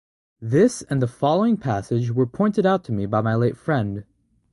This and the following passage were pointed out to me by my late friend.